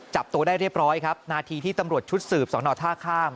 จับตัวได้เรียบร้อยครับนาทีที่ตำรวจชุดสืบสอนอท่าข้าม